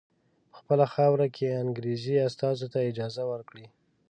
په خپله خاوره کې انګریزي استازو ته اجازه ورکړي.